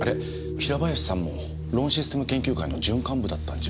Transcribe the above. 平林さんもローンシステム研究会の準幹部だったんじゃ。